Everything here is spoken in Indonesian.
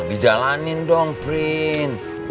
dijalanin dong prins